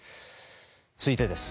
続いてです。